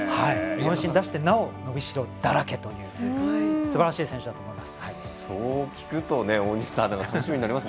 なお伸びしろだらけというすばらしい選手だと思います。